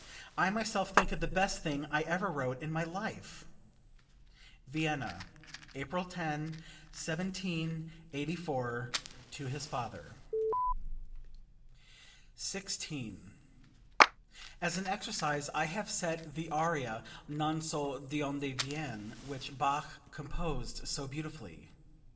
I myself think it the best thing I ever wrote in my life." (Vienna, April 10, 1784, to his father.) 16. "As an exercise I have set the aria, 'Non so d'onde viene,' which Bach composed so beautifully.